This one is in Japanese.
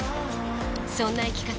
そんな生き方